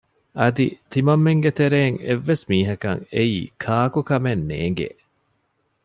އަދި ތިމަންމެންގެ ތެރެއިން އެއްވެސް މީހަކަށް އެއީ ކާކު ކަމެއް ނޭނގޭ